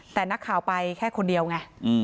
แต่นักข่าวไปแค่คนเดียวไง